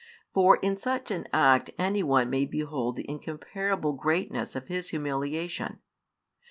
For in such an act anyone may behold the incomparable greatness of His humiliation.